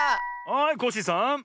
はいコッシーさん。